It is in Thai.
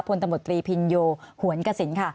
พลตำรวจปรีพินโยหวนกระสินค่ะ